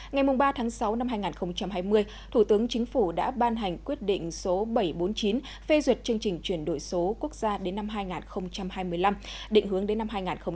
ngày ba sáu hai nghìn hai mươi thủ tướng chính phủ đã ban hành quyết định số bảy trăm bốn mươi chín phê duyệt chương trình chuyển đổi số quốc gia đến năm hai nghìn hai mươi năm định hướng đến năm hai nghìn ba mươi